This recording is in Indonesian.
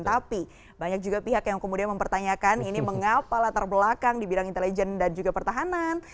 tapi banyak juga pihak yang kemudian mempertanyakan ini mengapa latar belakang di bidang intelijen dan juga pertahanan